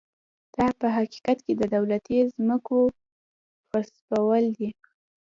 دا په حقیقت کې د دولتي ځمکو غصبول و.